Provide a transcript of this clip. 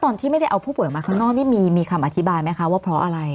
ตอนที่ไม่ได้เอาผู้ป่วยออกมาข้างนอกนี่มีคำอธิบายไหมคะว่าเพราะอะไร